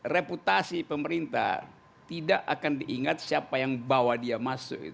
reputasi pemerintah tidak akan diingat siapa yang bawa dia masuk